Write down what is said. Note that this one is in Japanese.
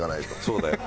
そうだよ